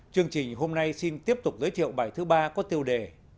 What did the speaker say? chương trình hôm nay xin tiếp tục giới thiệu bài thứ ba có tiêu đề